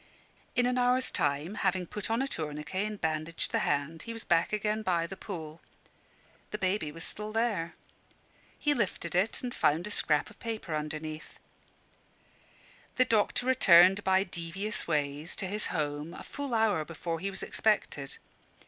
In an hour's time, having put on a tourniquet and bandaged the hand, he was back again by the pool. The baby was still there. He lifted it and found a scrap of paper underneath. ... The doctor returned by devious ways to his home, a full hour before he was expected.